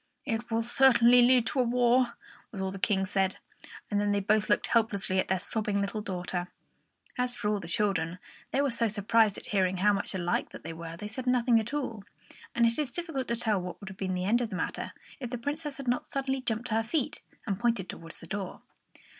"It will certainly lead to a war," was all the King said; and then they both looked helplessly at their sobbing little daughter. As for all the children, they were so surprised at hearing how much alike they were that they said nothing at all; and it is difficult to tell what would have been the end of the matter, if the Princess had not suddenly jumped to her feet again and pointed towards the door.